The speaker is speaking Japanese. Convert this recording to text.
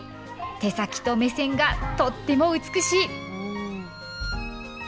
手先と目線がとっても美しい！